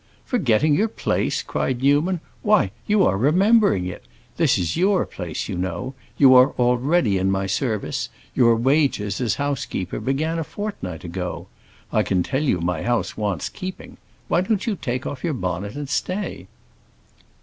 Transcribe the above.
"Forgetting your place?" cried Newman. "Why, you are remembering it. This is your place, you know. You are already in my service; your wages, as housekeeper, began a fortnight ago. I can tell you my house wants keeping! Why don't you take off your bonnet and stay?"